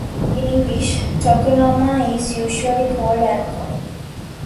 In English, "tokonoma" is usually called alcove.